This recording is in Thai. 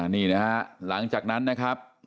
นี่นะฮะหลังจากนั้นนะครับ